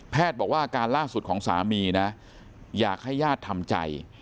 บอกว่าอาการล่าสุดของสามีนะอยากให้ญาติทำใจ